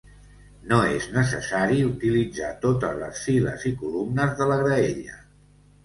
No és necessari utilitzar totes les files i columnes de la graella.